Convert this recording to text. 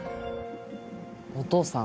お父さん。